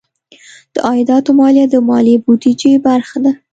د عایداتو مالیه د ملي بودیجې برخه ده.